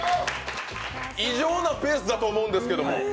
異常なペースだと思うんですけど。